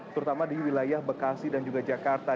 terutama di wilayah bekasi dan juga jakarta